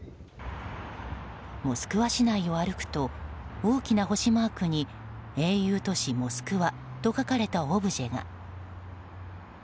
モスクワ市内を歩くと大きな星マークに英雄都市モスクワと書かれたオブジェが。